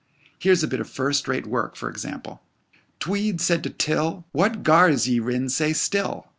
Here's a bit of first rate work for example: "Tweed said to Till, 'What gars ye rin sae still?'